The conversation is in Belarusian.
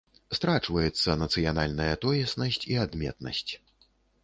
Страчваецца нацыянальная тоеснасць і адметнасць.